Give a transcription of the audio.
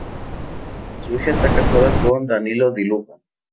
Su hija está casada con Danilo Di Luca.